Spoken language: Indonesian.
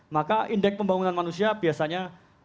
maka indeks pembangunan manusia biasanya